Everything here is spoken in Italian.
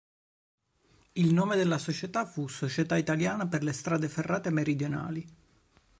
Il nome della società fu "Società Italiana per le strade ferrate meridionali".